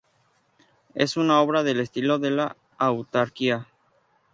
Es una obra del estilo de la autarquía.